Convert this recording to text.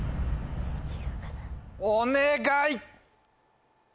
お願い！